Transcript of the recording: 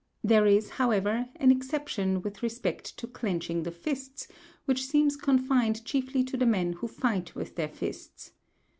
There is, however, an exception with respect to clenching the fists, which seems confined chiefly to the men who fight with their fists.